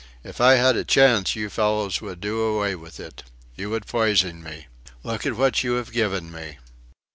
If I had a chance, you fellows would do away with it. You would poison me. Look at what you have given me!"